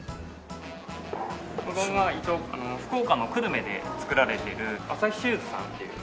ここが一応福岡の久留米で作られているアサヒシューズさんっていう。